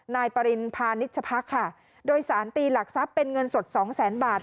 นายปริณพานิชพักค่ะโดยสารตีหลักทรัพย์เป็นเงินสดสองแสนบาท